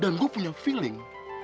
dan gue punya feeling